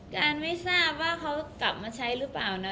การไม่ทราบว่าเขากลับมาใช้หรือเปล่านะ